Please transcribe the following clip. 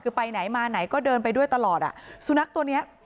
คือไปไหนมาไหนก็เดินไปด้วยตลอดอ่ะสุนัขตัวเนี้ย